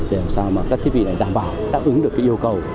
để làm sao các thiết bị này đảm bảo đáp ứng được yêu cầu